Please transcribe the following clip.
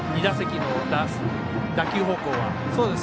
２打席の打球方向は。